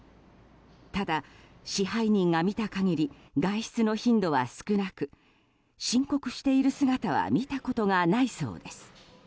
ただ、支配人が見た限り外出の頻度は少なく申告している姿は見たことがないそうです。